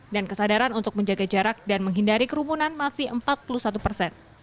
dan kesadaran untuk menjaga jarak dan menghindari kerumunan masih empat puluh satu persen